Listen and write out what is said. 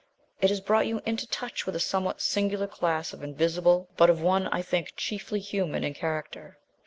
It has brought you into touch with a somewhat singular class of Invisible, but of one, I think, chiefly human in character.